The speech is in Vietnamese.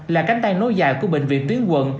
là cánh tay nối dài của bệnh viện tuyến quận